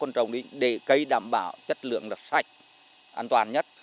côn trùng đi để cây đảm bảo chất lượng là sạch an toàn nhất